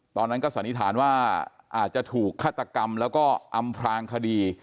ตอนนั้นก็สันนิษฐานว่าอาจจะถูกฆาตกรรมแล้วก็อำพลางคดี